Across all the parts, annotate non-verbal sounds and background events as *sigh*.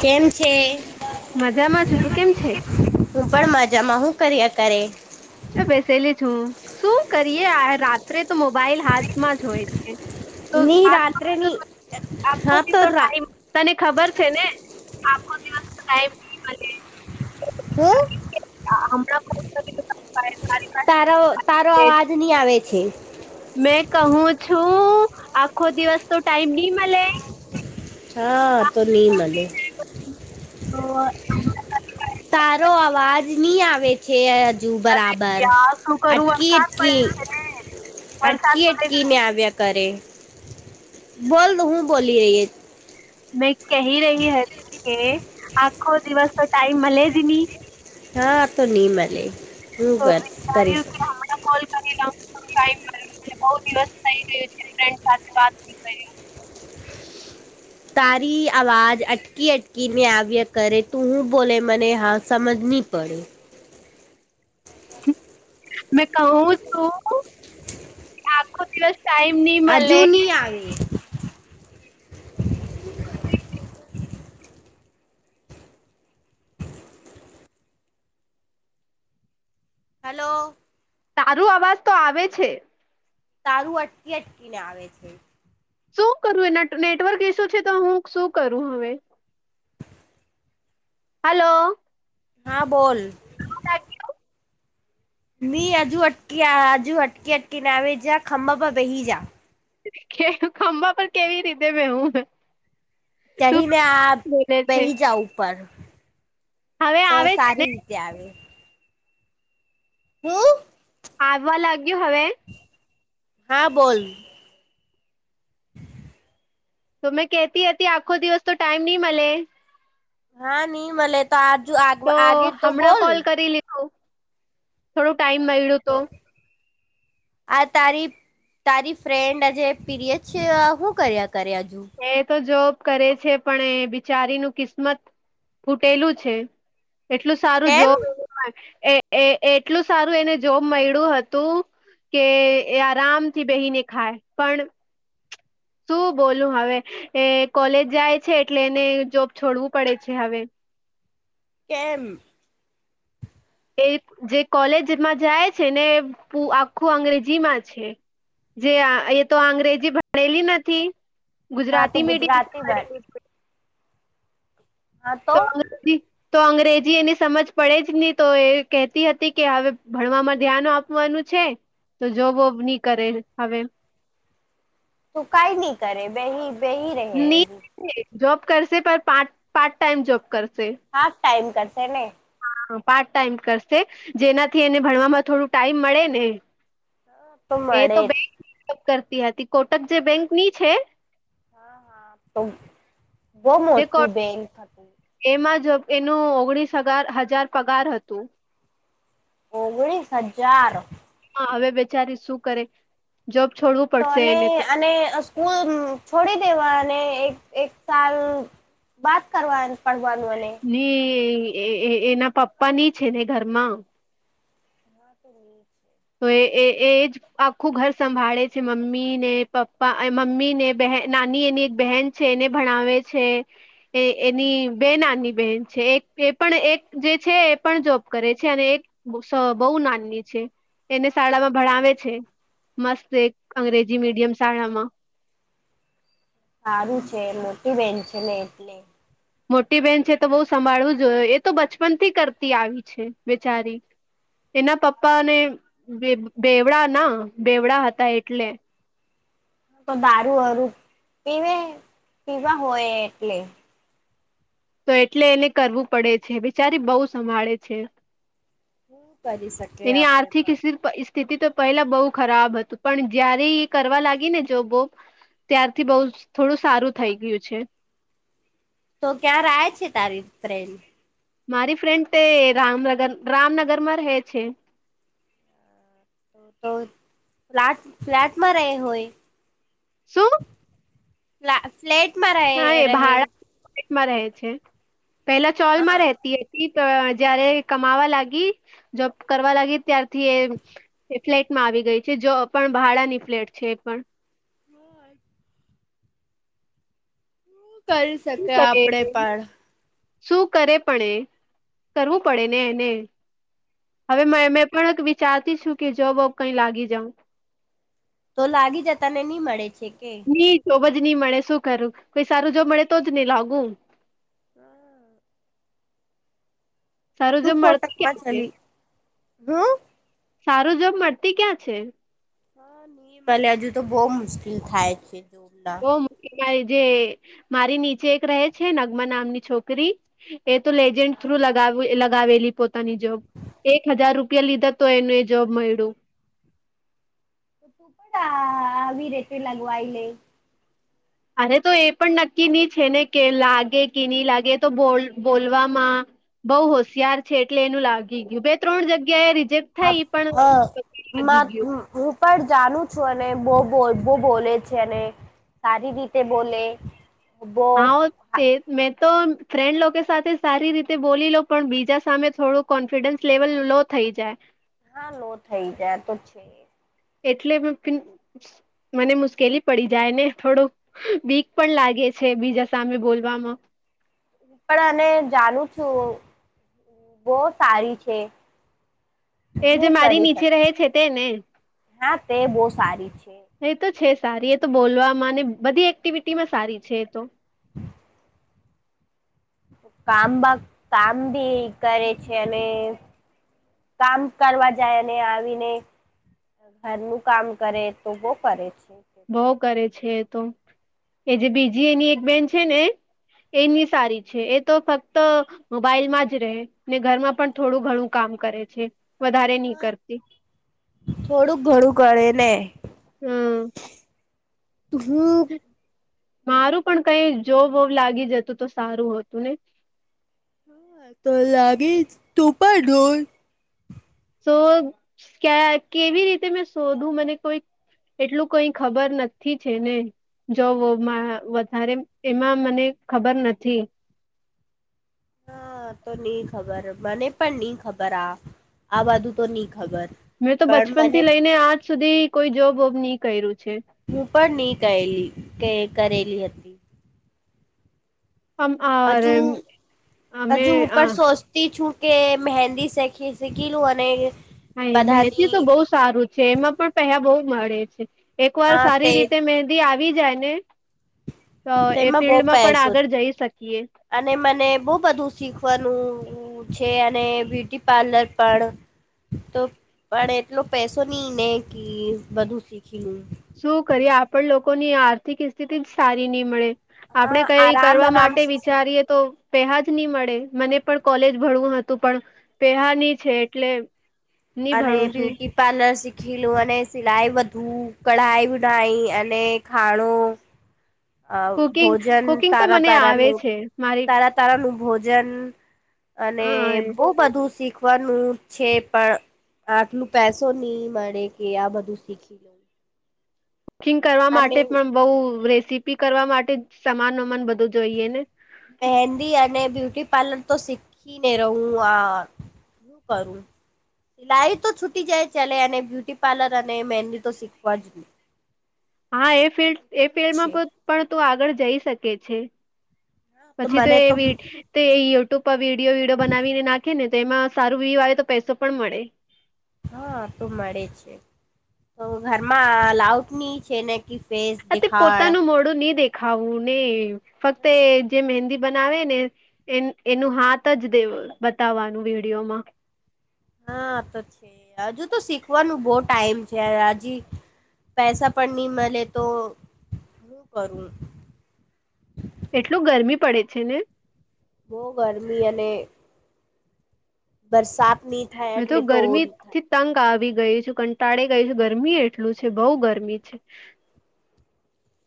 કેમ છે? મજામાં છું તું કેમ છે? હું પણ મજામાં હું કર્યા કરે? બેસેલી છું શું કરિયે રાત ે તો મોબાઈલ હાથમાં જ હોય છે, તો ની હાથમાં રાત્રેની હા આખથી તો રા ટાઈમ તને ખબર છે ને આખો દિવસ ટાઈમ ની મળે. હું? ણા *unintelligible* તારો તારો અવાજ નહી આવે છે. મેં કહું છું આખો દિવસ તો ટાઈમ નહી મળે? હા તો ની મનેે. તો *unintelligible* તારો અવાજ નહી આવે. છેજું અરે બરાબર, યાર શું કરું અટકી વરસાદ અટકી પડે છે વરસાદ અટકી પડે અટકી છે મેને આવ્યા કરે, બોલ હું બોલી રહી મેં કહી રહી હતી કે, આખો દિવસ તો ટાઈમ મળે જ નની. હા તો નની મળે, હું તો કરી વિચાર્યું શક કે હમણાં કોલ કરી ટાઈમ મળ્યો બહુ દિવસ થઈ ગયો છે ફ્રેન્ડ સાથે વાત કરી. તારી અવાજ અટકી અટકીને આવ્ય કરે તું હું બોલે મને હા સમજ નહીં પડે. મે કહું છું આખો દિવસ ટાઈમ ની મલે અજુની આવે. હલો. તારું અવાજ તો આવે છે. તારું અટકી અટકીને આવે છે. શું કરું એ નેટવર્ક એસો છે તો હું શું કરું હવે. હલો. હા બોલ. સા *unintelligible* મી આજુ અટકી આજુ અટકી અટકી નાવેજા ખંબબ બહી જા. કે ખંભા પણ કેવી રીતે બેવું. ચઢીને આ બોલે છે બેહી જા ઉપર હવે તો આવે છે ને સારી. આવે શું. હાલવા લાગ્યું હવે. હા બોલ. *inaudible* તો મેં કતી હતી આખો દિવસ તો ટાઈમ નહી મળે. હા નહી મળલે તો આજુ આગ તો આગે તો હમણાં બોલ. કોલ લીધું થોડું ટાઈમ મળ્યું તુ. તો આ તારી. તારી ફ્રેન્ડ આજે પીરિયડ છે શું કર્યા કરે હજુ. એ તો જોબ કરે છે પણ એ બિચારીનું કિસ્મત ફૂટેલું છે એટલું સારું કેમ જોબ એ એ એટલું સારું એને જોબ મળ્યું હતું. કે એ આરામથી બેહીને ખાય પણ શું બોલું હવે એ કોલેજ જાય છે એટલે એને જોબ છોડવું પડે છે હવે. કેમ. એ જે કોલેજમાં જાય છે ને આખું અંગ્રેજી માં છે. જે એ તો અંગ્રેજી ભણેલી નથી હા તો ગુજરાતી મીડિયમ ગુજરાતી વાડી. બટ હા. તો તોથી તો અંગ્રેજી એની સમજ પડે જ નહી તો એ કહેતી હતી કે હવે ભણવામાં ધ્યાન આપવુ કવાનું છે તો જોબોબ નહી કરે હવે. તું કઈ નહી કરે બેહી બેહી રહે ની હજુ જોબ કરશે પણાર પાર્ટ ટાઈમ જોબ કરશે. હાફ ટાઈમ કરશે ને પાર્ટ ટાઈમ કરશે જેનાથી એને ભણવામાં થોડું ટાઈમ મળે ને એ મળે તો જ. બેંકનીપ કરતી હતી કોટક જે બેંક ની છે હા હા તો બહુ જે કો મોટું બેન્ક હતું. એમાં જ એનું ઓગણીસ હગાર હજાર પગાર હતું. ઓગણીસ હજાર હા હવે બેચારી શું કરે જોબ છોડવું તો પડશે અને એને તો અને પુલ છોડી દેવા અને એક એક સાલ બાત કરવા પણ વાંધને. ની એના પપ્પા ની છે ને ઘરમાં *inaudible* તો એ એ એજ આખું ઘર સંભાળે છે મમ્મી ને પપ્પા મમ્મી ને બ નાની એની એક બહેન છે એને ભણાવે છે. એ એની બે નાની બેહેન છે એક એ પણ એક જે છે એ પણ જોબ કરે છે અને એક બહુ નાનની છે. એને શાળામાં હા ભણાવે છે મસ્ત એક અંગ્રેજી મીડિયમ શાળામાં. સારું છે મોટી બેહેન છે ને એટલે. મોટી બહેન છે તો બહુ સંભાળવું જો એ તો બચપન થી કરતી આવી છે બેચારી એના પપ્પા ને બેવડા ના બેવડા હતા એટલે. તો દારૂ વરું પીવે પીવા હોય એટલે. તો એટલે એને કરવું પડે છે બિચારી બહુ સંભાળે છે. હું કરી શકી તેની આર્થિક સ્થિત પરી સ્થિતિ તો પહેલા બહુ ખરાબ હતું પણ જયારે એ કરવા લાગી ને જોબ બોબ ત્યારથી બઉ થોડું સારું થઈ ગયું છે. તો ક્યાંર આવે છે તારી ફ્રેન્ડ મારી ફ્રેન્ડ તે રામનગર રામનગર માં રહે છે. તો ફ્લેટ ફ્લેટમાં રહે હોય શું? ફ્લા ફ્લેટમાં રહે રહે ટમાં રહે છે પેલા હા ચોલમાં રહેતી તો જયારે કમાવા લાગી જોબ કરવા લાગી ત્યારથી એ એ ફ્લેટમાં આવી ગઈ છે જો પણ ભાડાની ફ્લેટ છે એ પણ બઉ અ જ કરી શકે શું કરે આપડે પણ શું કરે પણ એ કરવું પડે ને એને હવે મે મે પણ વિચારતી છું કે જોબ વોબ કઈ લાગી જઉં તો લાગી જતા ને નહી મળે છે કે કી તોબજ નહી મળે શું કરું કોઈ સારું જો મળે તો જ નઈ લાગુ હા. સારું તું જોબ મળતી કોટકમાં ક્યાં છે ચલી શું સારું જોબ મળતી ક્યાં છે. હા. પેલે હજુ તો બહુ મુશ્કેલ થાય છે. જોબના ઓ મારી જે મારી નીચે એક રહે છે નગમા નામની છોકરી એ તો લેજન્ટ થ્રુ હા લગાવેલી પોતાની જોબ એક હજાર રૂપિયા લીધા તો એનું એને જોબ મળ્યું તો પણ આવી રેટ લગવાય લે અરે તો એ પણ નક્કી ની છે ને કે લાગે કે નહી લાગે તો બોલ બોલવામાં બઉ હોશિયાર છે એટલે એનું લાગી ગયું બે ત્રણ જગ્યા એ રિજેક્ટ હા થાય પણ પછી લાગી ગયું હું પણ જાણું છું અને બહું બઉ બોલે છે અને સારી રીતે બોલો બઉ. હા ઓ તે મેં તો ફ્રેન્ડ લોકો સાથે સારી રીતે બોલી લો પણ બીજા સામે થોડુંક કોન્ફિડન્સ લેવલ લો થઈ જાય. હા લો થઈ જાય તો છે. એટલે મને મુશ્કેલી પડી જાય ને થોડોક બીક પણ લાગે છે બીજા સામે બોલવામાં પણ અને જાણું છું બહું સારી છે એ હું જે મારી કરી નીચે રહે શક છે તેને હા તે બહું સારી છે. એ તો છે સારી એ તો બોલવામાં બધી એક્ટિવિટી માં સારી છે એ તો કામ બામ કામ ભી કરે છે અને કામ કરવા જાય અને આવીને ઘરનું કામ કરે તો બઉ કરે છે. તે તો બહું કરે છે એ તો એ જે બીજી એની એક બેન છે ને એની સારી છે એ તો ફક્ત મોબાઈલ માં જ રહે ને ઘરમાં પણ થોડું ઘણું કામ કરે છે વધારે નહી હા કરતી થોડુંક ઘણું કરે ને હમ્મ. *unintelligible* મારું પણ કઈ જોબ વોબ લાગી જતું તો સારું હોતું ને. હા તો લાગે ટોપાઢોલ. તો ક કેવી રીતે મેં શોધું મને કોઈ એટલું કઈ ખબર નથી છે ને. જોબ વોબમા વઘારે એમાં મને ખબર નથી. હા તો ની ખબર મને પણ ની ખબર આ આ બાધું તો ની ખબર. મેં તો પણ બચપન મને થી લઈને આજ સુધી કોઈ જોબ વોબ નહી કર્યું છે. હું પણ નહી કેયલી કે કરેલી હતી. આમ હજુ અરે અમે હજુ હું આ પણ સો. થી છું કે મહેંદી શેખી શીખીલું અને. હા મહેંદી બધાની તો બહુ સારું છે એમાં પણ પે્યા બહુ મળે છે. એક વાર હા સારી તે રીતે મહેંદી આવી જાય ને તો એ તેમાં બહુ ફિલ્ડમાં પણ પૈસો આગળ જઈ શકીએ. અને મને બહુ બધું શીખવાનું ઉ છે અને બ્યુટી પાર્લર પણ તો પણ એટલો પૈસો ની ને કી બધું શીખી લુ. શું કરીએ આપણ લોકોની આર્થિક સ્થિતિ જ સારી નહી મળે. આપડે હા કઈ આરામ કરવા આરામ માટે સે શીખું વિચારીએ તો પેહા જ નહી મળે મને પણ કોલેજ ભરવું હતું પણ પેહા ની છે એટલે ની અને ભણું છું બ્યુટી પાર્લર શીખીલું અને સિલાઈ વધુ કઢાઈ ઉઢાઈ અને ખાણું અ કુકિંગ ભોજન કુકિંગ તો તારા મને આવે તારાનું છે મારી તારા તારા નું ભોજન અને અ બહુ બધું શીખ. શીખવાનું છે પણ આટલું પૈસો નહી મળે કે આ બધું શીખી લો. કુકિંગ કરવા માટે પણ બઉ રેસીપી કરવા માટે સમાન વમાન બધું જોઈએ ને. મહેંદી અને બ્યુટી પાર્લર તો શીખી ને રહું આ. હું કરું. સિલાઈ તો છૂટી જાય ચલે અને બ્યુટી પાર્લર અને મેંદી તો શીખવા જ ની. હા એ ફિલ્ડ. એ ફિલ્ડમાં છે પણ તું આગળ જઈ શકે છે. પછી તો એ વિડ તે યે યુટ્યુબ પર વિડીયો વિડીયો બનાવીને નાખે ને તો એમાં. સારું વ્યુ આવે તો પૈસો પણ મળે. હા તો મળે છે. તો ઘરમાં અલાઉટ ની છે ને કી. તે પોતાનું મોડું નહી દેખાવું ને ફક્ત જે મહેંદી બનાવે ને. એ એનું હાથ જ દે બતાવવાનું વિડીયોમાં. હા તો છે. હજુ તો શીખવાનું બો ટાઈમ છે હજી. પૈસા પણ ની મલે. તો હું કરું? એટલું ગરમી પડે છે ને? બો ગરમી અને બરસાત ની થાય મેં એટલે તો ઓર થાય. ગરમીથી તંગ આવી ગયુ છું. કંટાળી ગઈ છું. ગરમી એટલું છે. બ‌ઉ ગરમી છે.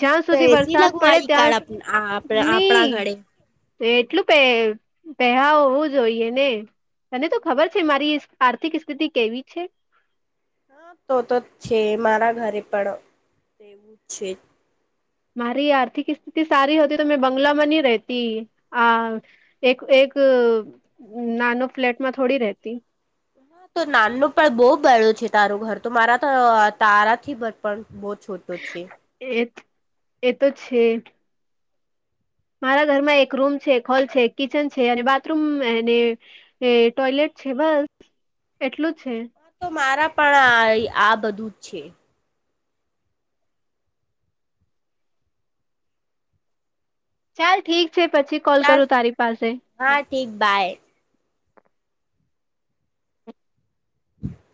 જ્યાં તો સુધી એસી વરસાદ પડે લગવાઈ કાળ ત્યાં ની. આપણા ઘરે એટલું પે પૈહા હોવું જોઈએ ને‌. તને તો ખબર છે. મારી આર્થિક સ્થિતિ કેવી છે. હા તો તો છે. મારા ઘરે પણ છે. મારી આર્થિક સ્થિતિ સારી હોતી તો મેં બંગલામાં ની રેતી. આ. એક એક નાનો ફ્લેટમાં થોડી રહેતી. હા તો નાનું પણ બહુ બળ્યું છે તારું ઘર. તો મારા તો તારાથી બદ્તર. બો છોટો છે. એ એ તો છે. મારા ઘરમાં એક રૂમ છે. એક હોલ છે. કિચન છે અને બાથરૂમ અને ને ટોયલેટ છે બસ એટલું છે. હ તો મારા પણ આ બધું જ છે. ચાલ ઠીક છે. પછી કોલ ચાલ કરું તારી પાસે. હા ઠીક બાય.